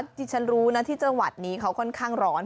ที่ฉันรู้นะที่จังหวัดนี้เขาค่อนข้างร้อน